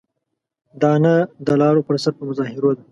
دا نه د لارو پر سر په مظاهرو ده.